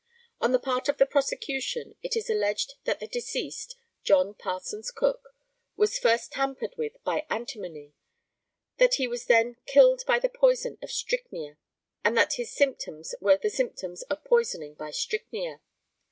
On the part of the prosecution it is alleged that the deceased, John Parsons Cook, was first tampered with by antimony, that he was then killed by the poison of strychnia, and that his symptoms were the symptoms of poisoning by strychnia.